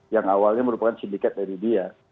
yang awalnya merupakan sindikat dari dia